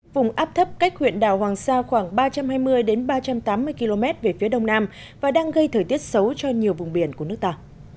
vùng áp thấp cách huyện đảo hoàng sa khoảng ba trăm hai mươi ba trăm tám mươi km về phía đông nam và đang gây thời tiết xấu cho nhiều vùng biển của nước ta